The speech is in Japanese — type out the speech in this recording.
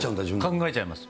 考えちゃいます。